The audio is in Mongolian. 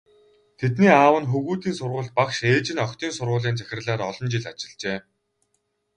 Тэдний аав нь хөвгүүдийн сургуульд багш, ээж нь охидын сургуулийн захирлаар олон жил ажиллажээ.